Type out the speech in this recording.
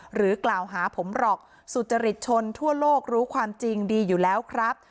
หรือกล่าวหาผมหรอกสุจริตชนทั่วโลกรู้ความจริงดีอยู่แล้วครับ